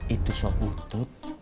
itu soal buntut